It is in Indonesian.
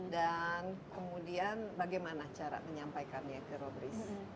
dan kemudian bagaimana cara menyampaikannya ke robriz